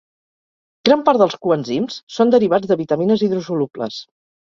Gran part dels coenzims són derivats de vitamines hidrosolubles.